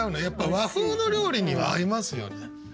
やっぱ和風の料理には合いますよね。